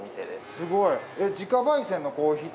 すごい自家焙煎のコーヒー。